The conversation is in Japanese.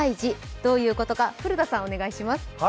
どういうことか、古田さん、お願いします。